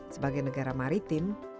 sebagai negara maritim